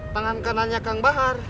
tangan kanannya kang bahar